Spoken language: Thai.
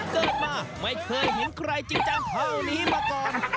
เกิดมาไม่เคยเห็นใครจริงจังเท่านี้มาก่อน